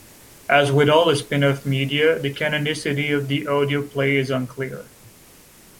As with all the spin-off media, the canonicity of the audio plays is unclear.